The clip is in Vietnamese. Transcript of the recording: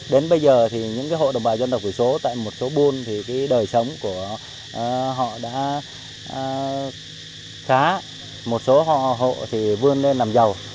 đến bây giờ những hộ đồng bào dân tộc phủ số tại một số buôn đời sống của họ đã khá một số hộ vươn lên làm giàu